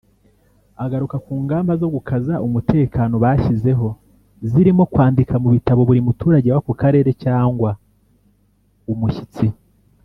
Agaruka ku ngamba zo gukaza umutekano bashyizeho zirimo kwandika mu bitabo buri muturage w’ako karere cyangwa umushyitsi